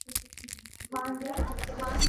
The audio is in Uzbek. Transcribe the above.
Yaqin-yaqingacha mavjud boʻlgan.